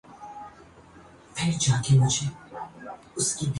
کرکے مدینہ سے مکہ ہجرت کر جاتے ہیں حسین رض